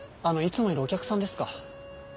あのいつもいるお客さんですか。